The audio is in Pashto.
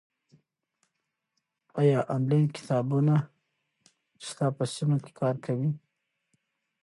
ایا آنلاین کتابتونونه ستا په سیمه کې کار کوي؟